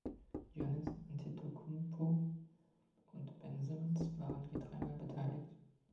Giannis Antetokounmpo und Ben Simmons waren je dreimal beteiligt.